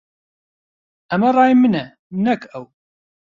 ئەمە ڕای منە، نەک ئەو.